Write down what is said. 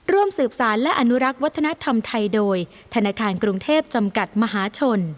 ร่วมสืบสารและอนุรักษ์วัฒนธรรมไทยโดยธนาคารกรุงเทพจำกัดมหาชน